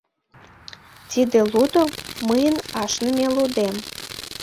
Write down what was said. Тиде лудо — мыйын ашныме лудем.